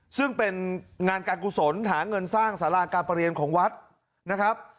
ซึ่งเป็นงานการกุศลหาเงินสร้างสาราการประเรียนของวัดนะครับ